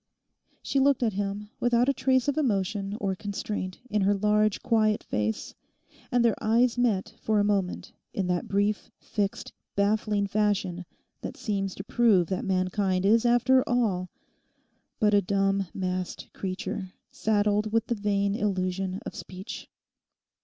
She looked at him without a trace of emotion or constraint in her large, quiet face, and their eyes met for a moment in that brief, fixed, baffling fashion that seems to prove that mankind is after all but a dumb masked creature saddled with the vain illusion of speech.